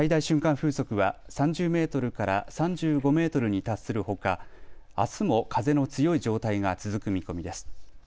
風速は３０メートルから３５メートルに達するほかあすも風の強い状態が続く見込みです。